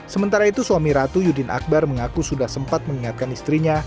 sementara itu suami ratu yudin akbar mengaku sudah sempat mengingatkan istrinya